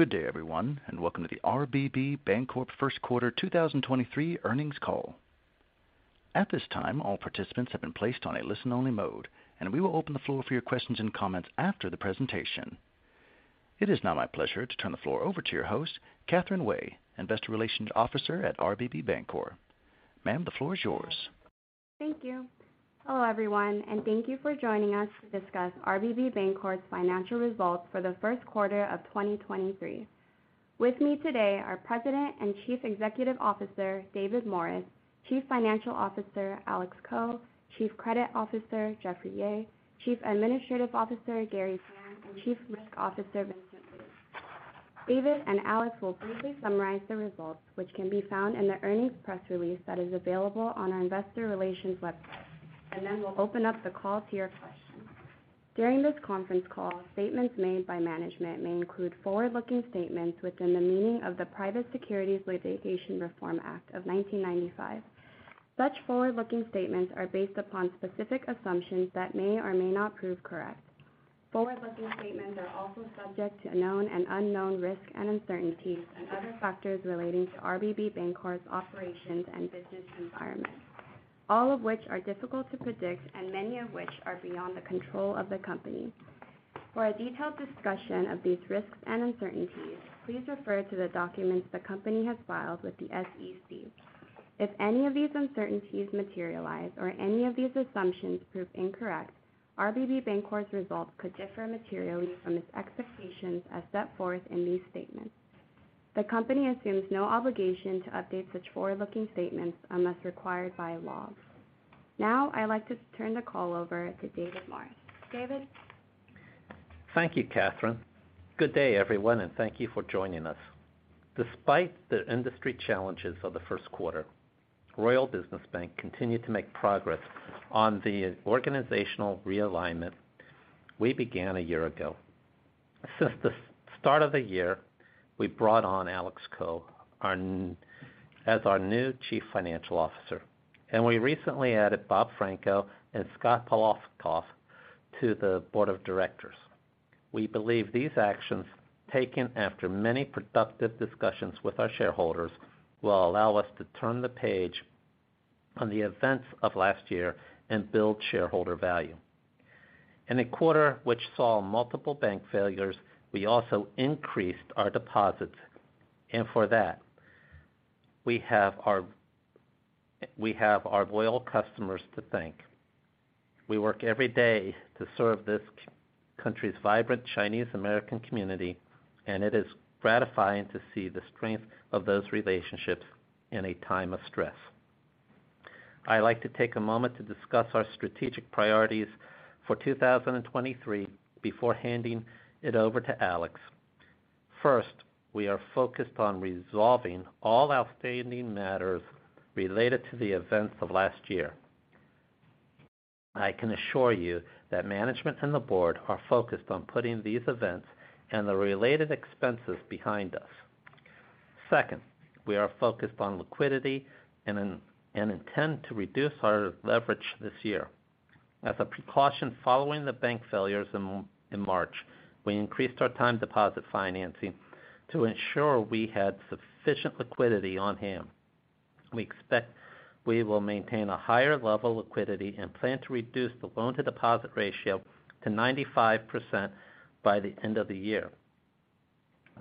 Good day, everyone. Welcome to the RBB Bancorp first quarter 2023 earnings call. At this time, all participants have been placed on a listen-only mode, and we will open the floor for your questions and comments after the presentation. It is now my pleasure to turn the floor over to your host, Catherine Wei, Investor Relations Officer at RBB Bancorp. Ma'am, the floor is yours. Thank you. Hello, everyone, and thank you for joining us to discuss RBB Bancorp's financial results for the first quarter of 2023. With me today are President and Chief Executive Officer, David Morris, Chief Financial Officer, Alex Ko, Chief Credit Officer, Jeffrey Yeh, Chief Administrative Officer, Gary Fan, and Chief Risk Officer, Vincent Liu. David and Alex will briefly summarize the results, which can be found in the earnings press release that is available on our investor relations website. We'll open up the call to your questions. During this conference call, statements made by management may include forward-looking statements within the meaning of the Private Securities Litigation Reform Act of 1995. Such forward-looking statements are based upon specific assumptions that may or may not prove correct. Forward-looking statements are also subject to known and unknown risks and uncertainties and other factors relating to RBB Bancorp's operations and business environment, all of which are difficult to predict and many of which are beyond the control of the company. For a detailed discussion of these risks and uncertainties, please refer to the documents the company has filed with the SEC. If any of these uncertainties materialize or any of these assumptions prove incorrect, RBB Bancorp's results could differ materially from its expectations as set forth in these statements. The company assumes no obligation to update such forward-looking statements unless required by law. I'd like to turn the call over to David Morris. David? Thank you, Catherine. Good day, everyone, and thank you for joining us. Despite the industry challenges of the first quarter, Royal Business Bank continued to make progress on the organizational realignment we began a year ago. Since the start of the year, we brought on Alex Ko, our new Chief Financial Officer, and we recently added Robert Franko and Scott Polakoff to the board of directors. We believe these actions, taken after many productive discussions with our shareholders, will allow us to turn the page on the events of last year and build shareholder value. In a quarter which saw multiple bank failures, we also increased our deposits. For that, we have our loyal customers to thank. We work every day to serve this country's vibrant Chinese American community, it is gratifying to see the strength of those relationships in a time of stress. I'd like to take a moment to discuss our strategic priorities for 2023 before handing it over to Alex. First, we are focused on resolving all outstanding matters related to the events of last year. I can assure you that management and the board are focused on putting these events and the related expenses behind us. Second, we are focused on liquidity and intend to reduce our leverage this year. As a precaution following the bank failures in March, we increased our time deposit financing to ensure we had sufficient liquidity on hand. We expect we will maintain a higher level of liquidity and plan to reduce the loan-to-deposit ratio to 95% by the end of the year.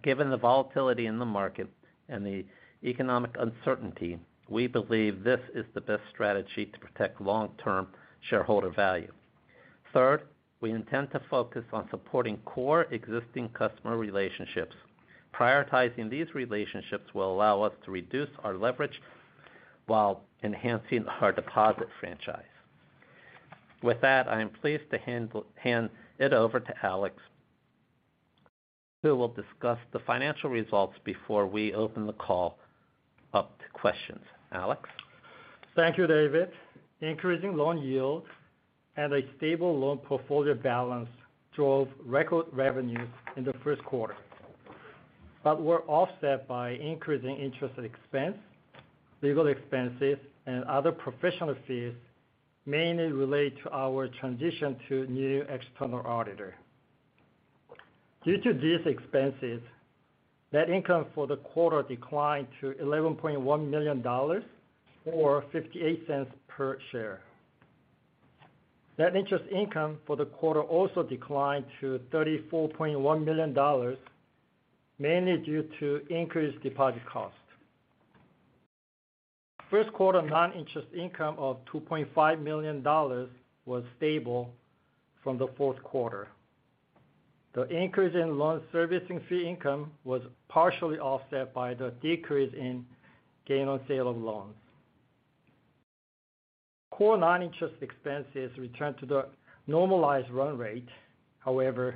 Given the volatility in the market and the economic uncertainty, we believe this is the best strategy to protect long-term shareholder value. Third, we intend to focus on supporting core existing customer relationships. Prioritizing these relationships will allow us to reduce our leverage while enhancing our deposit franchise. With that, I am pleased to hand it over to Alex, who will discuss the financial results before we open the call up to questions. Alex? Thank you, David. Increasing loan yields and a stable loan portfolio balance drove record revenues in the first quarter but were offset by increasing interest expense, legal expenses, and other professional fees mainly related to our transition to a new external auditor. Due to these expenses, net income for the quarter declined to $11.1 million or $0.58 per share. Net interest income for the quarter also declined to $34.1 million, mainly due to increased deposit costs. First quarter non-interest income of $2.5 million was stable from the fourth quarter. The increase in loan servicing fee income was partially offset by the decrease in gain on sale of loans. Core non-interest expenses returned to the normalized run rate, however,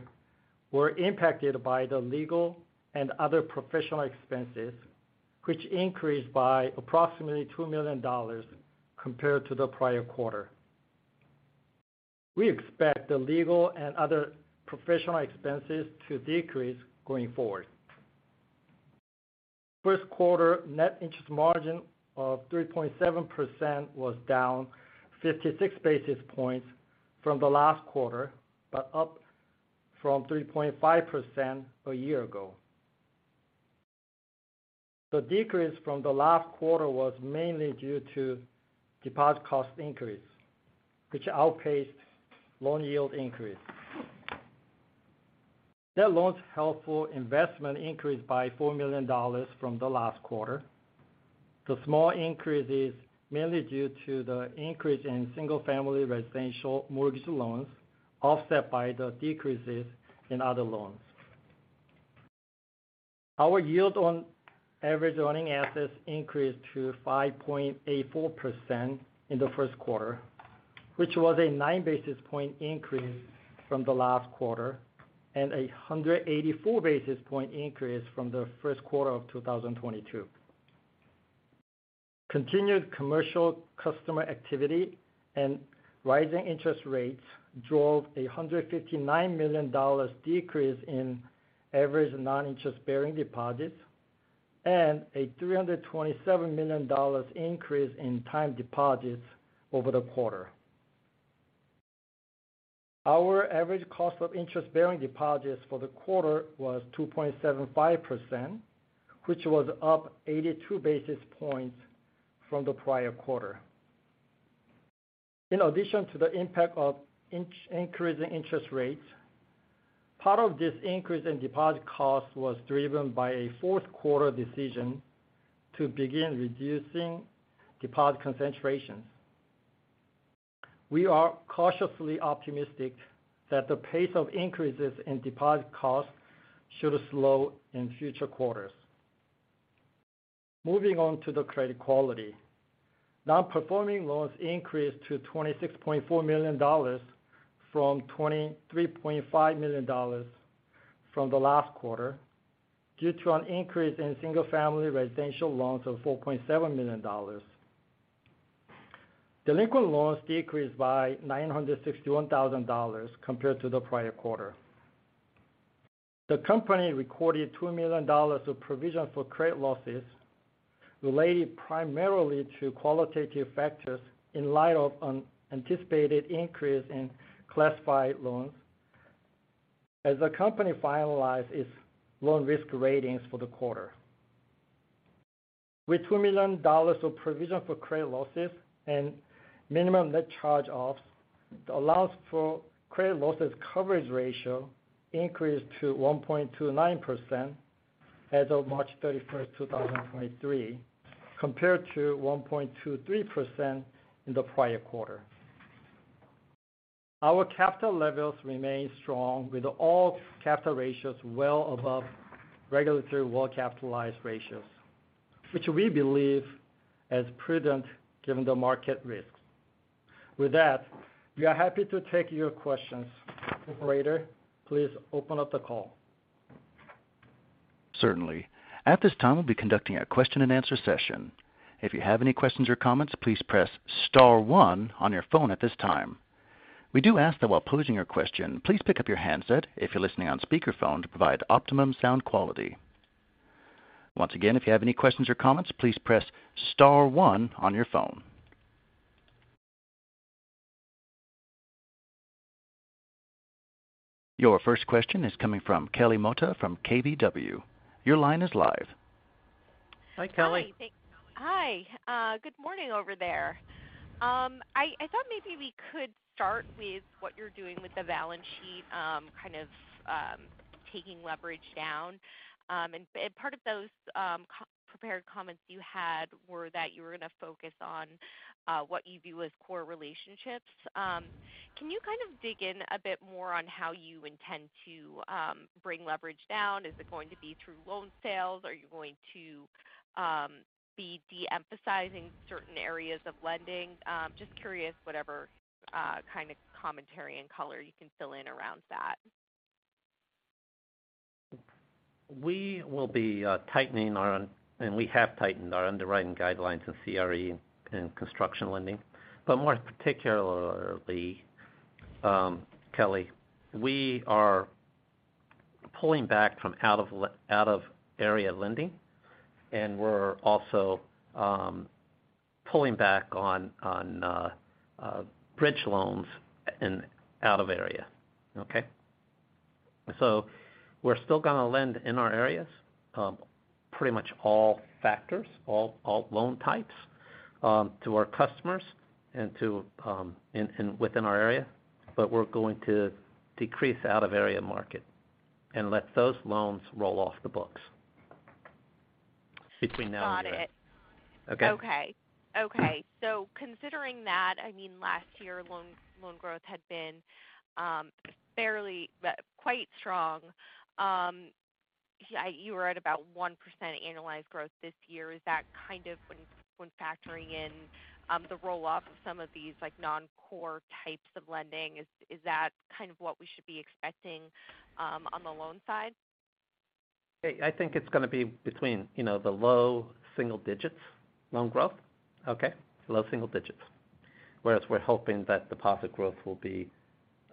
were impacted by the legal and other professional expenses, which increased by approximately $2 million compared to the prior quarter. We expect the legal and other professional expenses to decrease going forward. First quarter net interest margin of 3.7% was down 56 basis points from the last quarter, but up from 3.5% a year ago. The decrease from the last quarter was mainly due to deposit cost increase, which outpaced loan yield increase. Net loans held for investment increased by $4 million from the last quarter. The small increase is mainly due to the increase in single-family residential mortgage loans, offset by the decreases in other loans. Our yield on average earning assets increased to 5.84% in the first quarter, which was a 9 basis point increase from the last quarter and a 184 basis point increase from the first quarter of 2022. Continued commercial customer activity and rising interest rates drove a $159 million decrease in average non-interest-bearing deposits and a $327 million increase in time deposits over the quarter. Our average cost of interest-bearing deposits for the quarter was 2.75%, which was up 82 basis points from the prior quarter. In addition to the impact of increasing interest rates, part of this increase in deposit costs was driven by a fourth quarter decision to begin reducing deposit concentrations. We are cautiously optimistic that the pace of increases in deposit costs should slow in future quarters. Moving on to the credit quality. Non-performing loans increased to $26.4 million from $23.5 million from the last quarter due to an increase in single-family residential loans of $4.7 million. Delinquent loans decreased by $961,000 compared to the prior quarter. The company recorded $2 million of provision for credit losses related primarily to qualitative factors in light of an anticipated increase in classified loans as the company finalized its loan risk ratings for the quarter. With $2 million of provision for credit losses and minimum net charge-offs, the allowance for credit losses coverage ratio increased to 1.29% as of March 31, 2023, compared to 1.23% in the prior quarter. Our capital levels remain strong with all capital ratios well above regulatory well-capitalized ratios, which we believe is prudent given the market risks. We are happy to take your questions. Operator, please open up the call. Certainly. At this time, we'll be conducting a question-and-answer session. If you have any questions or comments, please press star one on your phone at this time. We do ask that while posing your question, please pick up your handset if you're listening on speakerphone to provide optimum sound quality. Once again, if you have any questions or comments, please press star one on your phone. Your first question is coming from Kelly Motta from KBW. Your line is live. Hi, Kelly. Hi. Good morning over there. I thought maybe we could start with what you're doing with the balance sheet, kind of taking leverage down. And part of those prepared comments you had were that you were gonna focus on what you view as core relationships. Can you kind of dig in a bit more on how you intend to bring leverage down? Is it going to be through loan sales? Are you going to be de-emphasizing certain areas of lending? Just curious whatever kind of commentary and color you can fill in around that. We will be tightening our underwriting guidelines in CRE, in construction lending. More particularly, Kelly, we are pulling back from out of area lending, and we're also pulling back on bridge loans in out of area. Okay? We're still gonna lend in our areas, pretty much all factors, all loan types, to our customers and to within our area, but we're going to decrease out-of-area market and let those loans roll off the books between now and then. Got it. Okay. Okay. Okay. Considering that, I mean, last year, loan growth had been, fairly quite strong. Yeah, you were at about 1% annualized growth this year. Is that kind of when factoring in, the roll-off of some of these, like, non-core types of lending, is that kind of what we should be expecting, on the loan side? I think it's gonna be between, you know, the low single-digits loan growth. Okay? Low single digits. We're hoping that deposit growth will be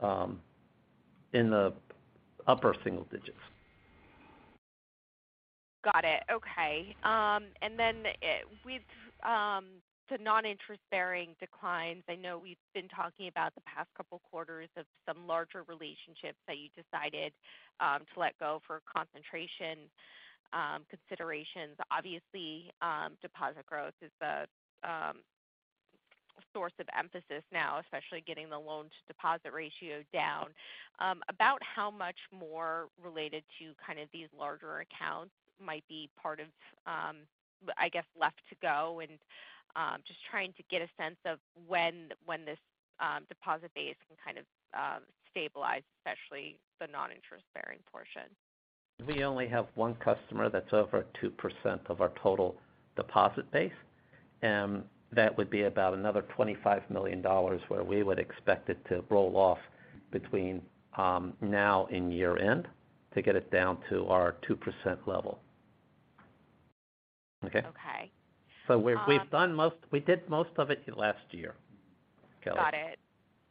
in the upper single digits. Got it. Okay. With, to non-interest-bearing declines, I know we've been talking about the past couple quarters of some larger relationships that you decided to let go for concentration considerations. Obviously, deposit growth is the source of emphasis now, especially getting the loan-to-deposit ratio down. About how much more related to kind of these larger accounts might be part of, I guess, left to go and, just trying to get a sense of when this deposit base can kind of stabilize, especially the non-interest-bearing portion. We only have one customer that's over 2% of our total deposit base, and that would be about another $25 million where we would expect it to roll off between now and year-end to get it down to our 2% level. Okay? Okay. We did most of it last year, Kelly. Got it. Okay.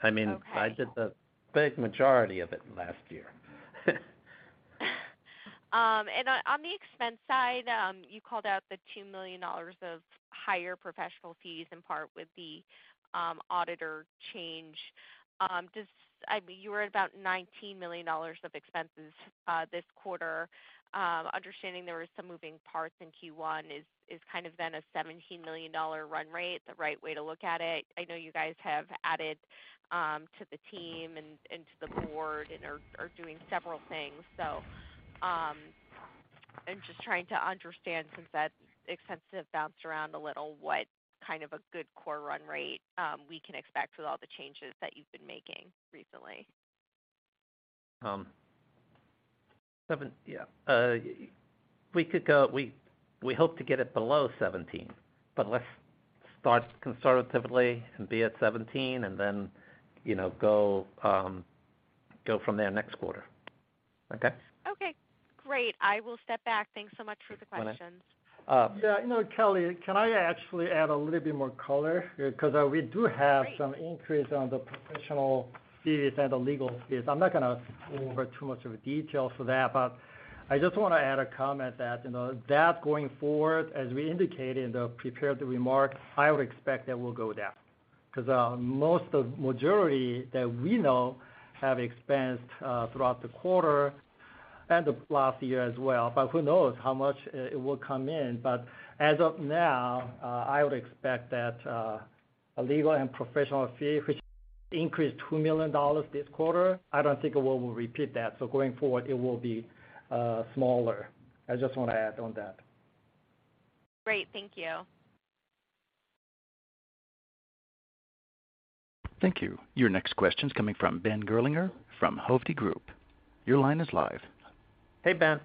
I mean, I did the big majority of it last year. On, on the expense side, you called out the $2 million of higher professional fees in part with the auditor change. You were at about $19 million of expenses this quarter. Understanding there were some moving parts in Q1 is kind of been a $17 million run rate, the right way to look at it. I know you guys have added to the team and to the board and are doing several things. I'm just trying to understand since that expense have bounced around a little, what kind of a good core run rate we can expect with all the changes that you've been making recently. We hope to get it below $17 million, let's start conservatively and be at $17 million and then, you know, go from there next quarter. Okay? Okay, great. I will step back. Thanks so much for the questions. My pleasure. Yeah. You know, Kelly, can I actually add a little bit more color? Great. We do have some increase on the professional fees and the legal fees. I'm not gonna go over too much of the details for that, but I just wanna add a comment that, you know, that going forward, as we indicated in the prepared remark, I would expect that will go down. Most of majority that we know have expensed throughout the quarter and the last year as well, but who knows how much it will come in. As of now, I would expect that legal and professional fee, which increased $2 million this quarter, I don't think we will repeat that. Going forward, it will be smaller. I just wanna add on that. Great. Thank you. Thank you. Your next question's coming from Ben Gerlinger from Hovde Group. Your line is live. Hey, Ben.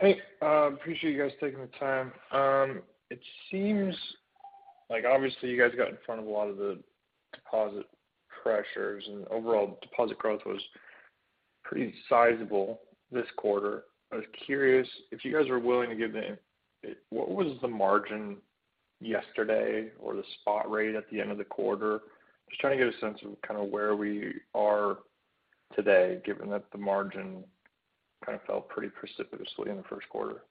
Hey. Appreciate you guys taking the time. It seems like obviously you guys got in front of a lot of the deposit pressures and overall deposit growth was pretty sizable this quarter. I was curious what was the margin yesterday or the spot rate at the end of the quarter? Just trying to get a sense of kind of where we are today, given that the margin kind of fell pretty precipitously in the first quarter.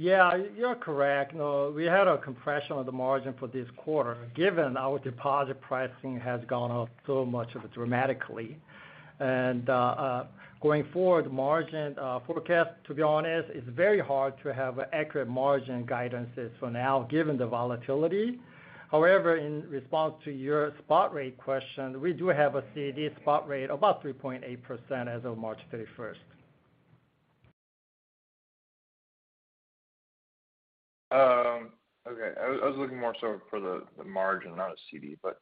Yeah, you're correct. You know, we had a compression of the margin for this quarter, given our deposit pricing has gone up so much dramatically. Going forward, margin forecast, to be honest, it's very hard to have accurate margin guidances for now given the volatility. However, in response to your spot rate question, we do have a CD spot rate about 3.8% as of March 31st. Okay. I was looking more so for the margin, not a CD, but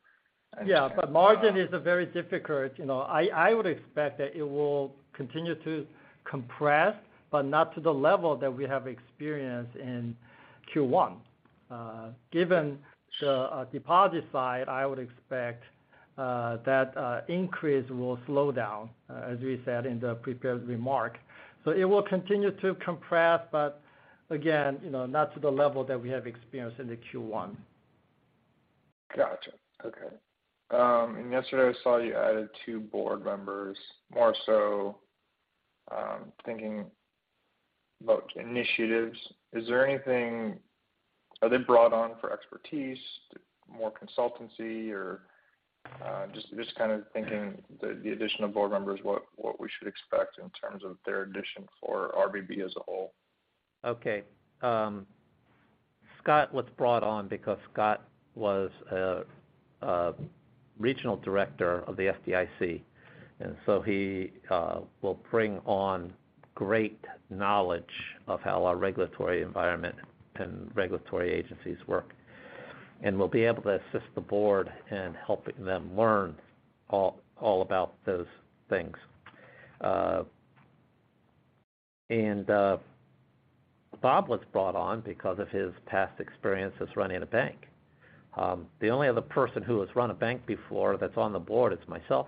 anyways. Yeah. Margin is a very difficult. You know, I would expect that it will continue to compress, but not to the level that we have experienced in Q1. Given the deposit side, I would expect that increase will slow down, as we said in the prepared remark. It will continue to compress, but again, you know, not to the level that we have experienced in the Q1. Gotcha. Okay. Yesterday I saw you added two board members, more so, thinking about initiatives. Are they brought on for expertise, more consultancy or, just kind of thinking the addition of board members, what we should expect in terms of their addition for RBB as a whole? Okay. Scott was brought on because Scott was a Regional Director of the FDIC. He will bring on great knowledge of how our regulatory environment and regulatory agencies work. We'll be able to assist the board in helping them learn all about those things. Bob was brought on because of his past experience as running a bank. The only other person who has run a bank before that's on the board is myself.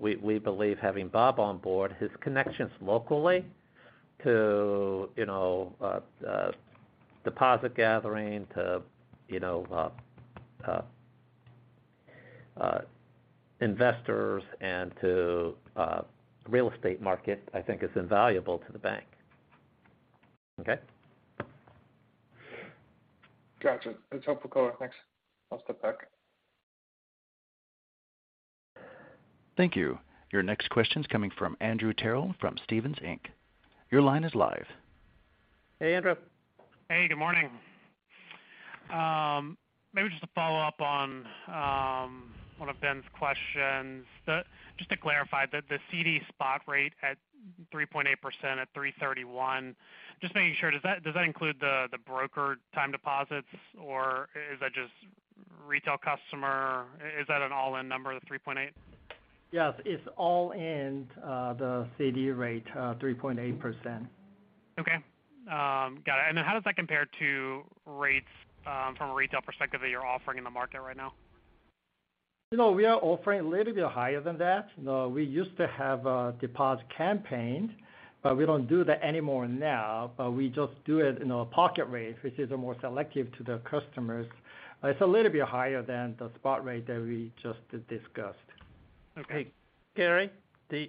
We believe having Bob on board, his connections locally to, you know, deposit gathering to, you know, investors and to real estate market, I think is invaluable to the bank. Okay? Got you. That's helpful color. Thanks. I'll step back. Thank you. Your next question's coming from Andrew Terrell from Stephens Inc. Your line is live. Hey, Andrew. Hey, good morning. Maybe just to follow up on one of Ben's questions. Just to clarify, the CD spot rate at 3.8% at March 31, just making sure, does that include the broker time deposits, or is that just retail customer? Is that an all-in number, the 3.8%? Yes, it's all in, the CD rate, 3.8%. Okay. Got it. Then how does that compare to rates, from a retail perspective that you're offering in the market right now? You know, we are offering a little bit higher than that. We used to have a deposit campaign, but we don't do that anymore now, but we just do it in our pocket rate, which is more selective to the customers. It's a little bit higher than the spot rate that we just discussed. Okay. Hey, Gary,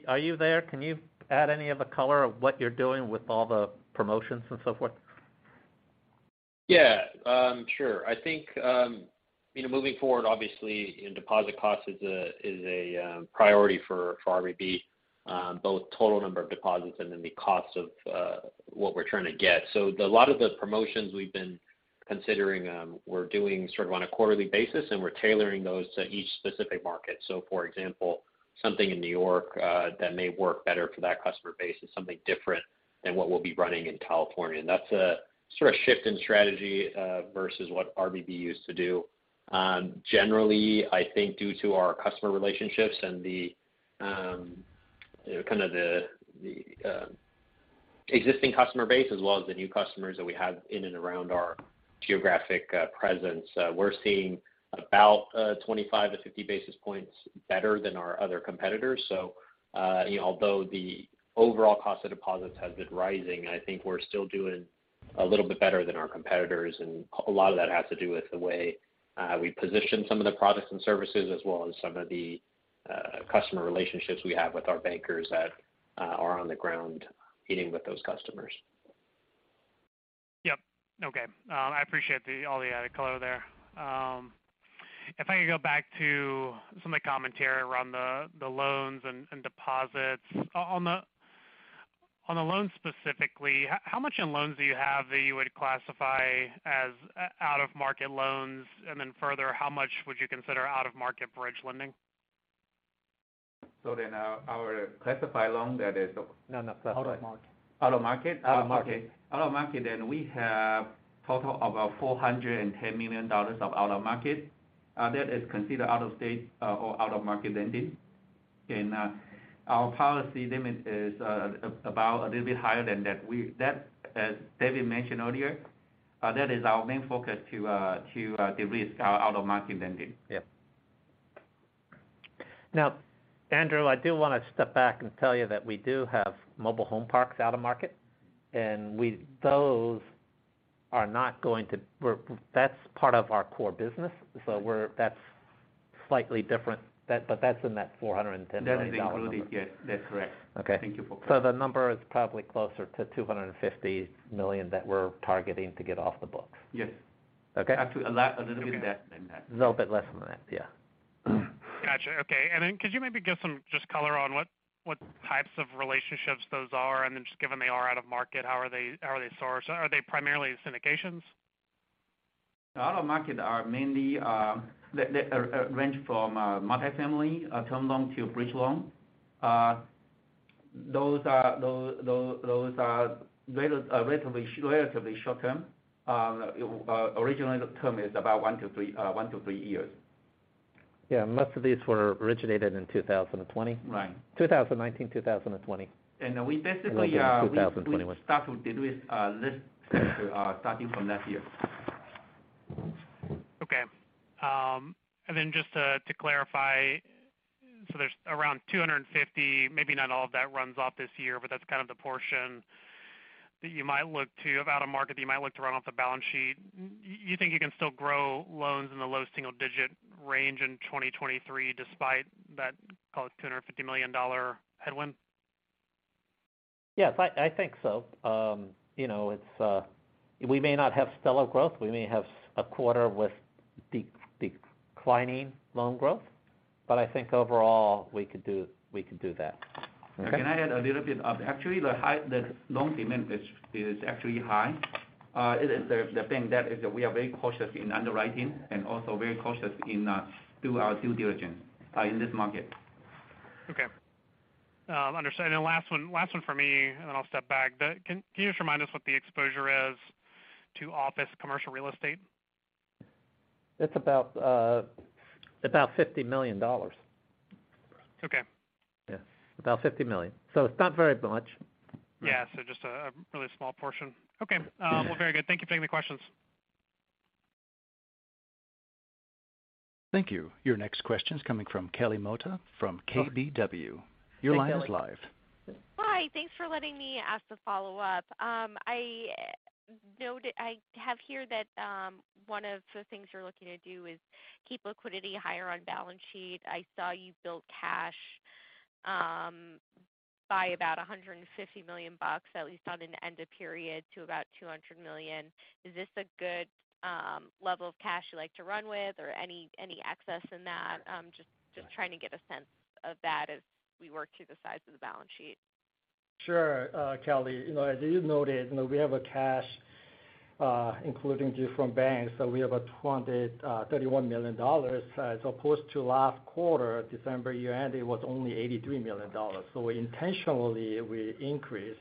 are you there? Can you add any other color of what you're doing with all the promotions and so forth? Sure. I think, you know, moving forward, obviously, you know, deposit cost is a priority for RBB, both total number of deposits and then the cost of what we're trying to get. So the lot of the promotions we've been considering, we're doing sort of on a quarterly basis, and we're tailoring those to each specific market. For example, something in New York that may work better for that customer base is something different than what we'll be running in California. That's a sort of shift in strategy versus what RBB used to do. Generally, I think due to our customer relationships and the kind of the existing customer base as well as the new customers that we have in and around our geographic presence, we're seeing about 25-50 basis points better than our other competitors. You know, although the overall cost of deposits has been rising, I think we're still doing a little bit better than our competitors, and a lot of that has to do with the way we position some of the products and services as well as some of the customer relationships we have with our bankers that are on the ground meeting with those customers. Yep. Okay. I appreciate all the added color there. If I could go back to some of the commentary around the loans and deposits. On the loans specifically, how much in loans do you have that you would classify as out of market loans? Then further, how much would you consider out of market bridge lending? Our classified loan. No, no. Out of market. Out of market? Out of market. Out of market. Out of market. We have total about $410 million of out of market. That is considered out of state, or out of market lending. Our policy limit is about a little bit higher than that. That, as David mentioned earlier, that is our main focus to de-risk our out of market lending. Yeah. Now, Andrew, I do wanna step back and tell you that we do have mobile home parks out of market. That's part of our core business. That's slightly different, but that's in that $410 million. That is included. Yes, that's correct. Okay. Thank you. The number is probably closer to $250 million that we're targeting to get off the books. Yes. Okay. Actually, a lot, a little bit less than that. A little bit less than that, yeah. Got you. Okay. Could you maybe give some just color on what types of relationships those are? Just given they are out of market, how are they sourced? Are they primarily syndications? Out of market are mainly, they range from multifamily, term loan to bridge loan. Those are relatively short-term. Originally, the term is about 1-3 years. Yeah. Most of these were originated in 2020. Right. 2019, 2020. We basically. Then 2021. We start to de-risk this sector, starting from last year. Okay. Just to clarify, there's around $250 million, maybe not all of that runs off this year, but that's kind of the portion that you might look to of out of market that you might look to run off the balance sheet. You think you can still grow loans in the low single digit range in 2023 despite that call it $250 million headwind? Yes, I think so. You know, it's, we may not have stellar growth. We may have a quarter with declining loan growth, but I think overall, we could do that. Okay. Actually, the loan payment which is actually high. It is the thing that is we are very cautious in underwriting and also very cautious in do our due diligence in this market. Okay. understood. Last one for me, and then I'll step back. Can you just remind us what the exposure is to office commercial real estate? It's about $50 million. Okay. Yes. About $50 million. It's not very much. Yeah. just a really small portion. Okay. well, very good. Thank you for taking the questions. Thank you. Your next question is coming from Kelly Motta from KBW. Your line is live. Hi, thanks for letting me ask the follow-up. I have here that one of the things you're looking to do is keep liquidity higher on balance sheet. I saw you build cash by about $150 million, at least on an end of period to about $200 million. Is this a good level of cash you like to run with or any excess in that? Just trying to get a sense of that as we work through the size of the balance sheet. Sure. Kelly, you know, as you noted, you know, we have a cash, including due from banks. We have $31 million as opposed to last quarter, December year-end, it was only $83 million. Intentionally we increase.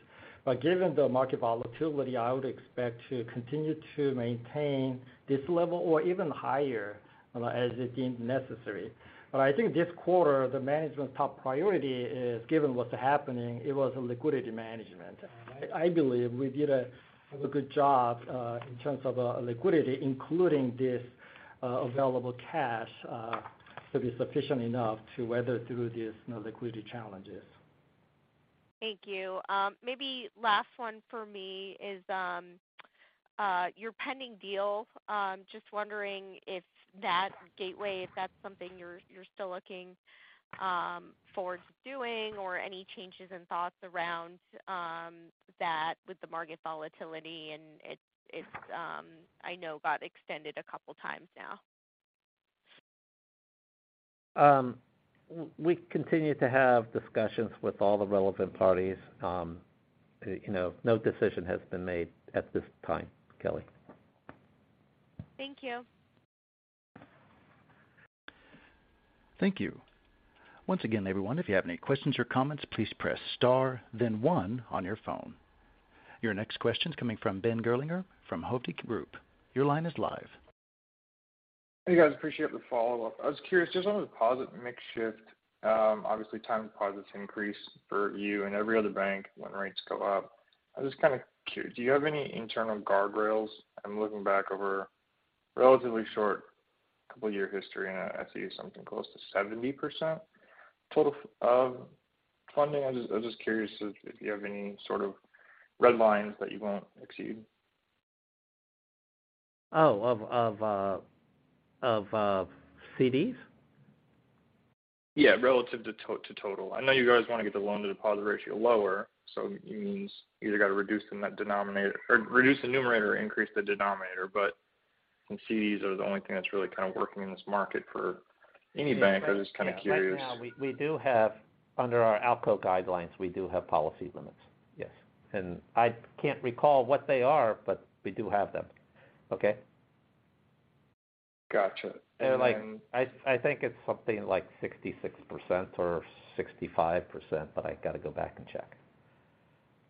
Given the market volatility, I would expect to continue to maintain this level or even higher as it deems necessary. I think this quarter, the management top priority is, given what's happening, it was a liquidity management. I believe we did a good job in terms of liquidity, including this available cash to be sufficient enough to weather through these liquidity challenges. Thank you. Maybe last one for me is your pending deal. Just wondering if that Gateway, if that's something you're still looking towards doing or any changes in thoughts around that with the market volatility and it I know got extended a couple of times now? We continue to have discussions with all the relevant parties. You know, no decision has been made at this time, Kelly. Thank you. Thank you. Once again, everyone, if you have any questions or comments, please press star, then one on your phone. Your next question is coming from Ben Gerlinger from Hovde Group. Your line is live. Hey, guys. Appreciate the follow-up. I was curious, just on the deposit mix shift, obviously, time deposits increase for you and every other bank when rates go up. I was just kind of, do you have any internal guardrails? I'm looking back over relatively short couple-year history, and I see something close to 70% total of funding. I was just curious if you have any sort of red lines that you won't exceed? Oh, of CDs? Yeah, relative to total. I know you guys wanna get the loan-to-deposit ratio lower, so it means you either got to reduce them that denominator or reduce the numerator, increase the denominator. CDs are the only thing that's really kind of working in this market for any bank. I'm just kind of curious. Right now, we do have under our ALCO guidelines, we do have policy limits, yes. I can't recall what they are, but we do have them. Okay? Gotcha. They're like, I think it's something like 66% or 65%, but I got to go back and check.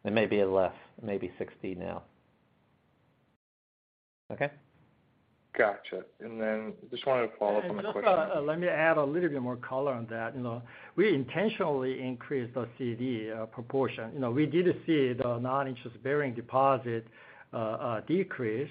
It may be less, it may be 60% now. Okay? Gotcha. Then just wanted to follow up on a quick. Just, let me add a little bit more color on that. You know, we intentionally increased the CD proportion. You know, we did see the non-interest bearing deposit decrease,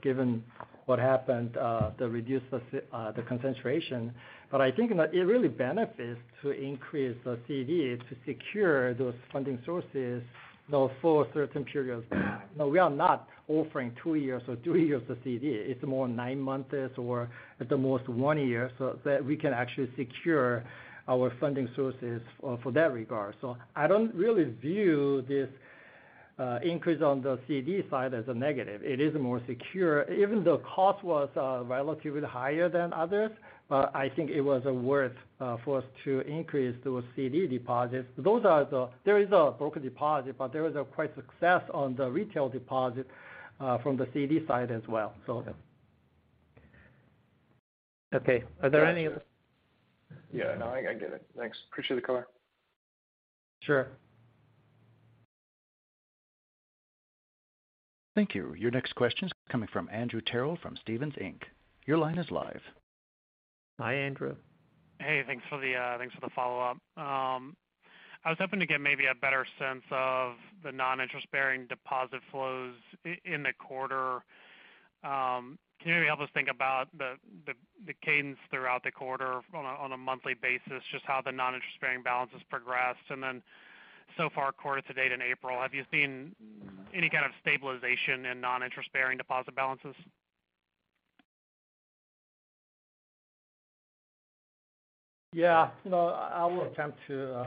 given what happened, that reduced the concentration. I think that it really benefits to increase the CD to secure those funding sources, you know, for certain periods of time. You know, we are not offering two years or three years of CD. It's more nine months or at the most one year, so that we can actually secure our funding sources for that regard. I don't really view this increase on the CD side as a negative. It is more secure. Even the cost was relatively higher than others, but I think it was worth for us to increase those CD deposits. There is a broker deposit, but there was a quite success on the retail deposit from the CD side as well. So... Okay. Are there any other- Yeah, no, I get it. Thanks. Appreciate the color. Sure. Thank you. Your next question is coming from Andrew Terrell from Stephens Inc. Your line is live. Hi, Andrew. Hey, thanks for the thanks for the follow-up. I was hoping to get maybe a better sense of the non-interest bearing deposit flows in the quarter. Can you help us think about the cadence throughout the quarter on a monthly basis, just how the non-interest bearing balance has progressed? So far, quarter to date in April, have you seen any kind of stabilization in non-interest bearing deposit balances? Yeah, you know, I will attempt to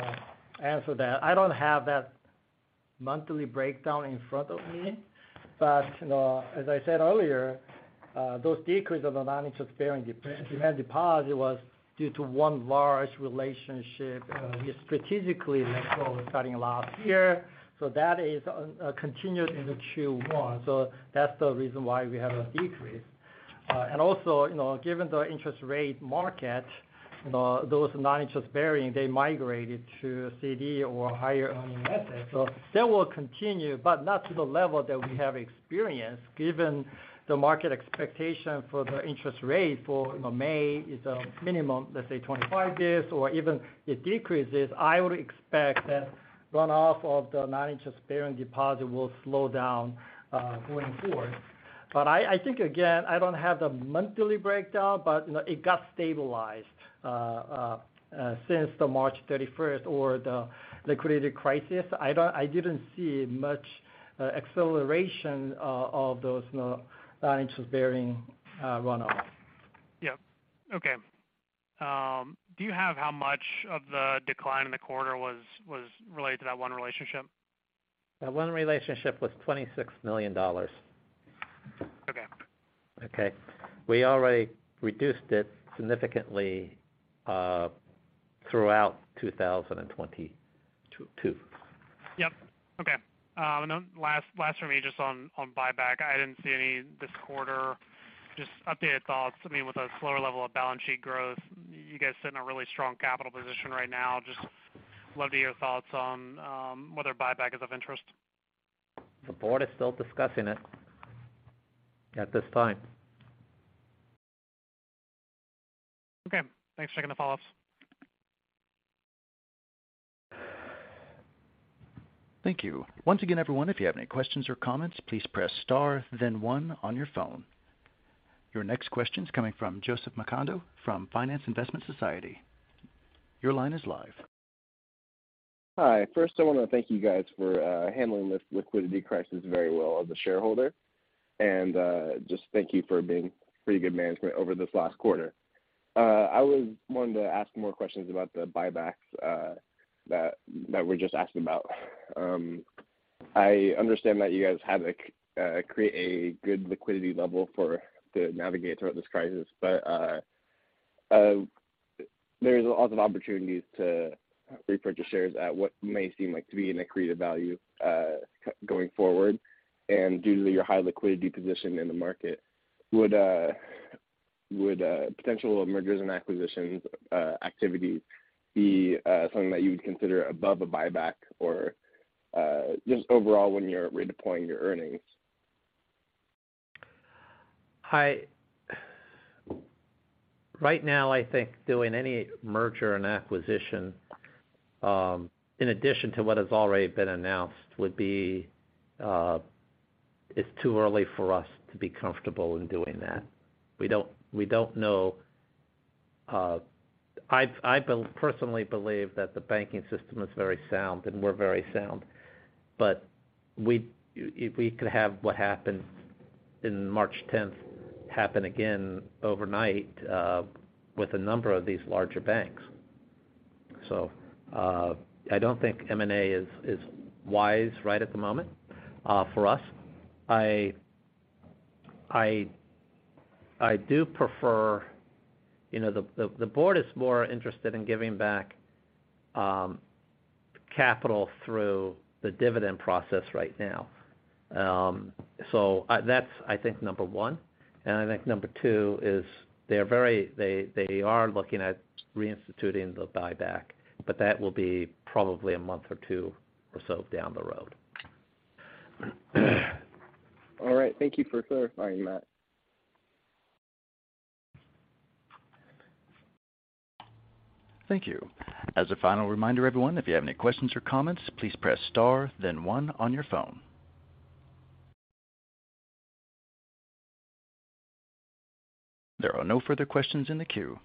answer that. I don't have that monthly breakdown in front of me, but, you know, as I said earlier, those decrease of the non-interest bearing demand deposit was due to one large relationship, we strategically let go starting last year. That is continued into Q1. That's the reason why we have a decrease. Also, you know, given the interest rate market, you know, those non-interest bearing, they migrated to CD or higher earning methods. That will continue, but not to the level that we have experienced. Given the market expectation for the interest rate for, you know, May is a minimum, let's say 25 days or even it decreases, I would expect that runoff of the non-interest bearing deposit will slow down going forward. I think again, I don't have the monthly breakdown, but, you know, it got stabilized since the March 31st or the liquidity crisis. I didn't see much acceleration of those non-interest-bearing runoff. Yeah. Okay. Do you have how much of the decline in the quarter was related to that one relationship? That one relationship was $26 million. Okay. Okay. We already reduced it significantly, throughout 2022. Yep. Okay. Last for me, just on buyback. I didn't see any this quarter. Just updated thoughts, I mean, with a slower level of balance sheet growth, you guys sit in a really strong capital position right now. Just love to hear your thoughts on whether buyback is of interest. The board is still discussing it at this time. Okay. Thanks. Second follow-ups. Thank you. Once again, everyone, if you have any questions or comments, please press star then one on your phone. Your next question is coming from Joseph Macondo from Finance Investment Society. Your line is live. Hi. First, I wanna thank you guys for handling liquidity crisis very well as a shareholder. Just thank you for being pretty good management over this last quarter. I was wanting to ask more questions about the buybacks that we're just asking about. I understand that you guys have a create a good liquidity level to navigate throughout this crisis, there's a lot of opportunities to repurchase shares at what may seem like to be an accretive value going forward. Due to your high liquidity position in the market, would potential mergers and acquisitions activities be something that you would consider above a buyback or just overall when you're redeploying your earnings? Right now, I think doing any merger and acquisition, in addition to what has already been announced, would be, it's too early for us to be comfortable in doing that. We don't know. I personally believe that the banking system is very sound and we're very sound. If we could have what happened in March 10th happen again overnight, with a number of these larger banks. I don't think M&A is wise right at the moment for us. I do prefer, you know, the board is more interested in giving back capital through the dividend process right now. That's, I think, number one. I think number two is they are looking at reinstituting the buyback, but that will be probably a month or two or so down the road. All right. Thank you for clarifying that. Thank you. As a final reminder, everyone, if you have any questions or comments, please press star then one on your phone. There are no further questions in the queue.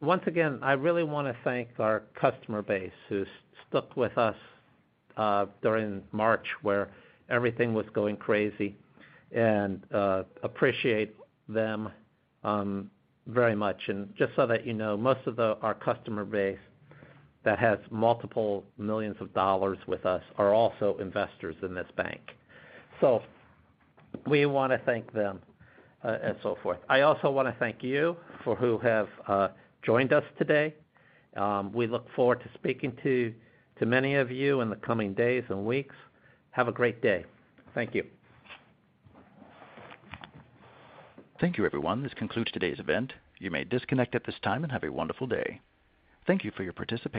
Once again, I really wanna thank our customer base who stuck with us during March where everything was going crazy, and appreciate them very much. Just so that you know, most of our customer base that has multiple millions of dollars with us are also investors in this bank. We wanna thank them and so forth. I also wanna thank you for who have joined us today. We look forward to speaking to many of you in the coming days and weeks. Have a great day. Thank you. Thank you, everyone. This concludes today's event. You may disconnect at this time and have a wonderful day. Thank you for your participation.